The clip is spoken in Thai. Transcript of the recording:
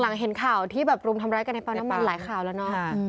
เห็นข่าวที่แบบรุมทำร้ายกันในปั๊มน้ำมันหลายข่าวแล้วเนาะ